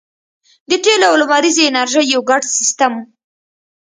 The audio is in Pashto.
د تیلو او لمریزې انرژۍ یو ګډ سیستم